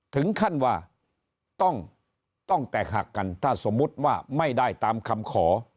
ถึงขั้นว่าต้องแตกหักกันถ้าสมมุติว่าไม่ได้ตามคำขอ